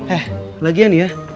eh lagian ya